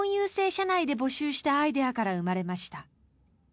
社内で募集したアイデアから生まれました。